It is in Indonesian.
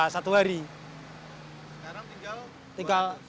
sekarang tinggal dua ratus